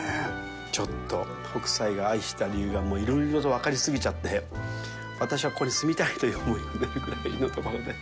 ちょっと、北斎が愛した理由がもういろいろと分かり過ぎちゃって、私はここに住みたいという思いが出てくるようなところで。